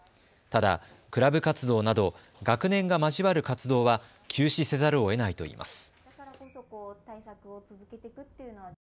ただクラブ活動など学年が交わる活動は休止せざるをえないといいます。